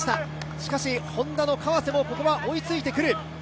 しかし、Ｈｏｎｄａの川瀬もここは追いついてくる。